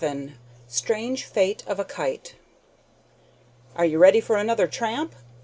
XI STRANGE FATE OF A KITE "Are you ready for another tramp?"